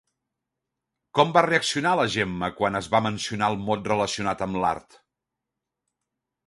Com va reaccionar la Gemma quan es va mencionar el mot relacionat amb l'art?